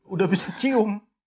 udah bisa cium